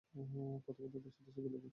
প্রথমত দাসত্বের শৃঙ্খল থেকে মুক্তিলাভ।